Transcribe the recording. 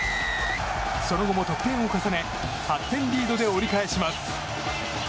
その後も得点を重ね８点リードで折り返します。